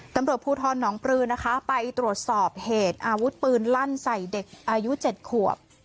ตำรวจภูทรหนองปลือนะคะไปตรวจสอบเหตุอาวุธปืนลั่นใส่เด็กอายุ๗ขวบ